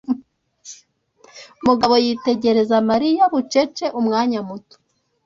Mugabo yitegereza Mariya bucece umwanya muto.